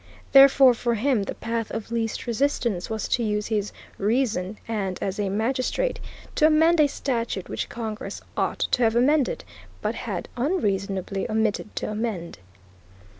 Therefore, for him the path of least resistance was to use his reason, and, as a magistrate, to amend a statute which Congress ought to have amended, but had unreasonably omitted to amend.